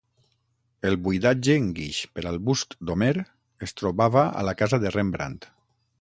El buidatge en guix per al bust d'Homer es trobava a la casa de Rembrandt.